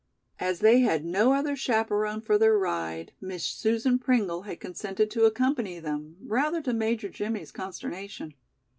As they had no other chaperon for their ride, Miss Susan Pringle had consented to accompany them, rather to Major Jimmie's consternation.